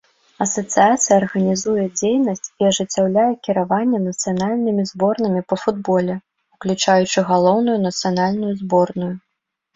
Асацыяцыя арганізуе дзейнасць і ажыццяўляе кіраванне нацыянальнымі зборнымі па футболе, уключаючы галоўную нацыянальную зборную.